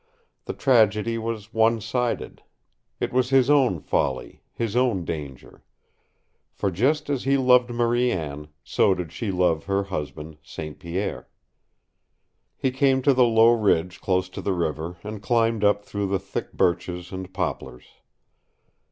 The tragedy was one sided. It was his own folly, his own danger. For just as he loved Marie Anne, so did she love her husband, St. Pierre. He came to the low ridge close to the river and climbed up through the thick birches and poplars.